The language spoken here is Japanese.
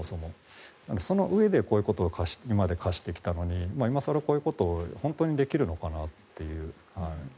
なので、そのうえでこういうことを今まで課してきたのに今更こういうことを本当にできるのかなという。